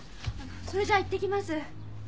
それじゃあいってきます。